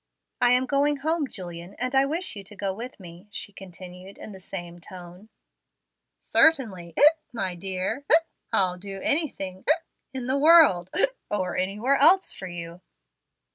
"I am going home, Julian, and wish you to go with me," she continued in the same tone. "Certainly (hic) my dear (hic) I'll do anything (hic) in the world (hic) or anywhere else for you."